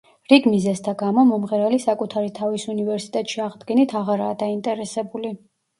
რიგ მიზეზთა გამო, მომღერალი საკუთარი თავის უნივერსიტეტში აღდგენით აღარაა დაინტერესებული.